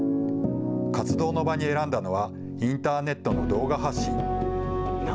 活動の場に選んだのはインターネットの動画配信。